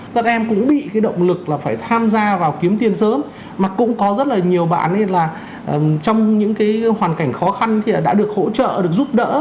các em cũng bị cái động lực là phải tham gia vào kiếm tiền sớm mà cũng có rất là nhiều bạn nên là trong những cái hoàn cảnh khó khăn thì đã được hỗ trợ được giúp đỡ